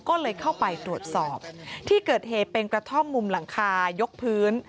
ก็เลยเข้าไปตรวจสอบที่เกิดเหตุเป็นกระท่อมมุมหลังคายกพื้น